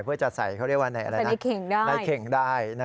เพื่อจะใส่เขาเรียกว่าในเข่งได้